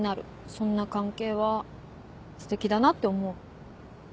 そんな関係はステキだなって思う。